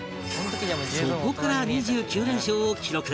そこから２９連勝を記録